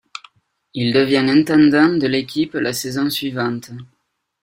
Il devient intendant de l'équipe la saison suivante.